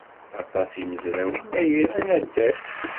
Aṭas n yimezrawen ay iran addal.